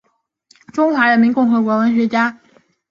中华人民共和国文学家。